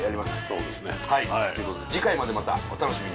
そうですね。ということで次回までまたお楽しみに！